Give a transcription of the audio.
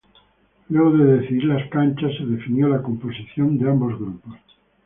Luego de decidir las canchas se definió la composición de ambos grupos.